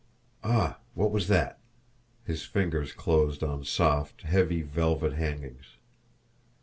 Ah, what was that? His fingers closed on soft, heavy velvet hangings.